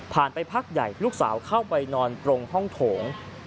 ไปพักใหญ่ลูกสาวเข้าไปนอนตรงห้องโถง